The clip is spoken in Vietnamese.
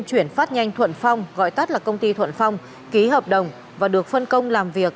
chuyển phát nhanh thuận phong gọi tắt là công ty thuận phong ký hợp đồng và được phân công làm việc